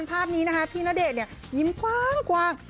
ผ้านี้พี่ณเดชน์ยิ้มกว้าง